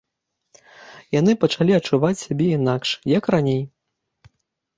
Яны пачалі адчуваць сябе інакш, як раней.